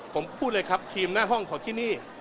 ผมพูดเลยครับทีมหน้าห้องของที่นี่